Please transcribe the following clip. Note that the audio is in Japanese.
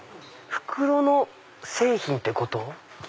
袋の製品ってこと？